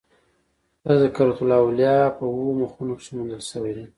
تذکرة الاولیاء" په اوو مخونو کښي موندل سوى دئ.